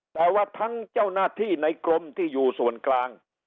แต่ว่าทั้งเจ้าหน้าที่ในกรมที่อยู่ส่วนกลาง